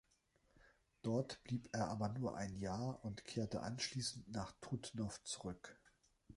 Dort blieb er aber nur ein Jahr und kehrte anschließend nach Trutnov zurück.